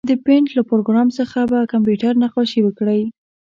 د پېنټ له پروګرام څخه په کمپیوټر نقاشي وکړئ.